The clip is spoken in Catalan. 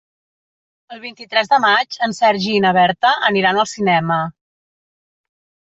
El vint-i-tres de maig en Sergi i na Berta aniran al cinema.